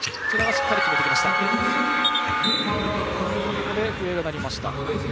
ここで笛が鳴りました。